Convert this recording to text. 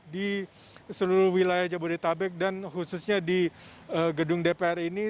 di seluruh wilayah jabodetabek dan khususnya di gedung dpr ini